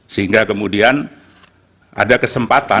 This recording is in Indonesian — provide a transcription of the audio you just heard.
sehingga kemudian ada kesempatan